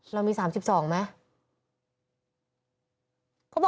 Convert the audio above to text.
เรามี๓๒ไหม